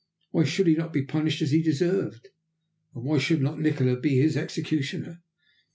Why should he not be punished as he deserved, and why should not Nikola be his executioner?